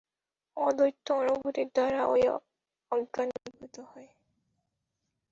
অদ্বৈত অনুভূতির দ্বারা এই অজ্ঞান দূরীভূত হয়।